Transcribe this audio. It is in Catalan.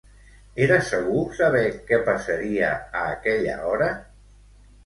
Era segur saber què passaria a aquella hora?